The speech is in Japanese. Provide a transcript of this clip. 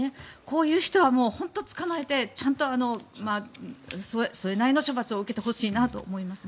こういう人は本当に捕まえてちゃんとそれなりの処罰を受けてほしいなと思います。